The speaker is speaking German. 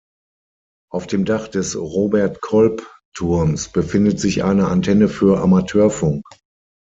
Auf dem Dach des Robert-Kolb-Turms befindet sich eine Antenne für Amateurfunk.